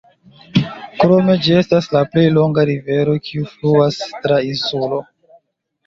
Krome ĝi estas la plej longa rivero kiu fluas tra insulo.